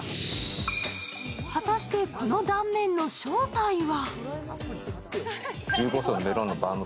果たしてこの断面の正体は。